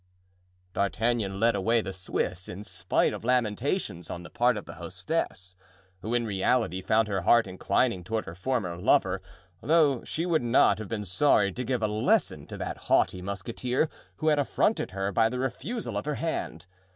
D'Artagnan led away the Swiss in spite of lamentations on the part of the hostess, who in reality found her heart inclining toward her former lover, though she would not have been sorry to give a lesson to that haughty musketeer who had affronted her by the refusal of her hand.